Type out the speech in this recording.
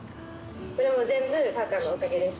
これも全部かあかあのおかげです。